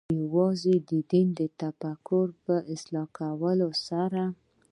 یوازې د دیني تفکر په اصلاح کولو سره.